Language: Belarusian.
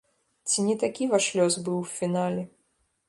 Ці не такі ваш лёс быў у фінале?